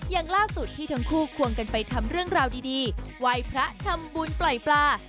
อย่างล่าสุดที่ทั้งคู่ควงกันไปทำเรื่องราวดีไหว้พระทำบุญปล่อยปลา